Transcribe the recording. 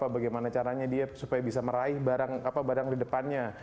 bagaimana caranya dia supaya bisa meraih barang di depannya